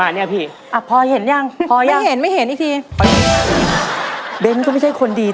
แม่พี่ผมขึ้นแม่ผมตะวัดเนี่ย